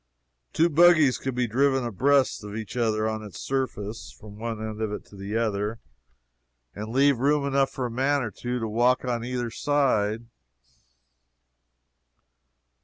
Two buggies could be driven abreast of each other, on its surface, from one end of it to the other, and leave room enough for a man or two to walk on either side.